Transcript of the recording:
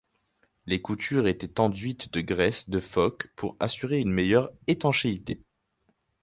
Les coutures étaient enduites de graisse de phoque pour assurer une meilleure étanchéité.